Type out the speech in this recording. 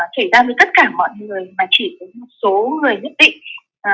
xảy ra với tất cả mọi người mà chỉ có một số người nhất định